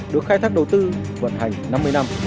được khai thác đầu tư vận hành năm mươi năm